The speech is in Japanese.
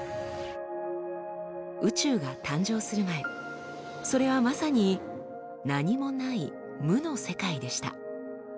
宇宙が誕生する前それはまさに何もない無の世界でした。